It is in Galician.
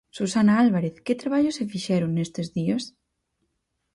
Susana Álvarez, que traballos se fixeron nestes días?